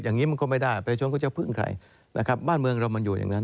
อย่างนี้มันก็ไม่ได้ประชาชนก็จะพึ่งใครนะครับบ้านเมืองเรามันอยู่อย่างนั้น